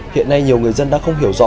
hiện nay nhiều người dân đang không hiểu rõ